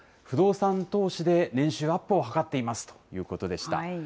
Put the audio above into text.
不動産投資で年収アップを図っていますということでした。